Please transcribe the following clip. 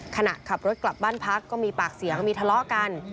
ขณะขับรถกลับบ้านพักก็มีปากเสียงมีทะเลาะกัน